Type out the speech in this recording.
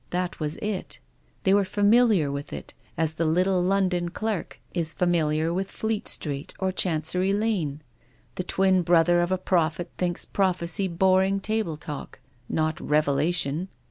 That was it. They were familiar with it, as the little London clerk is familiar with Fleet Street orChancery Lane. The twin brother of a prophet thinks prophecy boring table talk — not revelation.